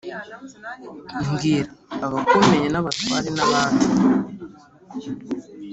mbwira abakomeye nabatware nabandi